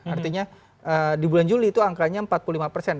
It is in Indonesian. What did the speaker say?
artinya di bulan juli itu angkanya empat puluh lima persen